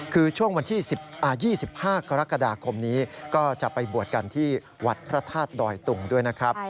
คือช่วงวันที่๒๕กรกฎาคมนี้ก็จะไปบวชกันที่วัดพระธาตุดอยตุงด้วยนะครับ